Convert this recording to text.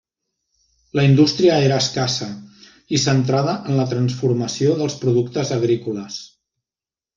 La indústria era escassa i centrada en la transformació dels productes agrícoles.